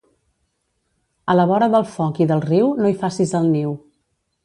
A la vora del foc i del riu, no hi facis el niu.